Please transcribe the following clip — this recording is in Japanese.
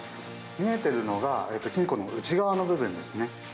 見えてるのが、金庫の内側の部分ですね。